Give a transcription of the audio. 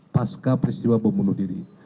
pasca peristiwa pembunuh diri